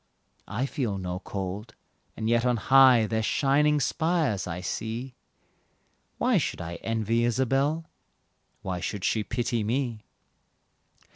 I feel no cold, and yet on high Their shining spires I see. Why should I envy Isabelle? Why should she pity me?